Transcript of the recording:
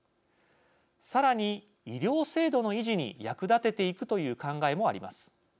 さらに、医療制度の維持に役立てていくという考えもあります。